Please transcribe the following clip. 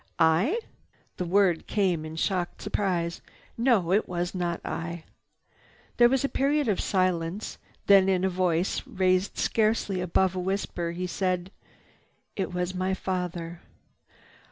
"I—?" The word came in shocked surprise. "No, it was not I." There was a period of silence. Then in a voice raised scarcely above a whisper he said: "It was my father."